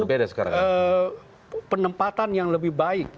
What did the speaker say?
ada satu penempatan yang lebih baik